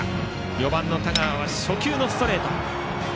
４番の田川は初球のストレート。